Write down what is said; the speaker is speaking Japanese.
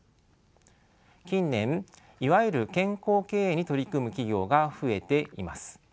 近年いわゆる健康経営に取り組む企業が増えています。